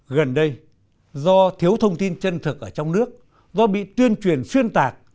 gần đây do thiếu thông tin chân thực ở trong nước do bị tuyên truyền xuyên tạc